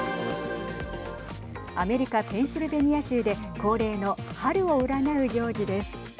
アメリカ、ペンシルベニア州で恒例の春を占う行事です。